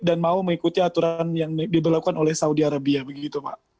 dan mau mengikuti aturan yang diberlakukan oleh saudi arabia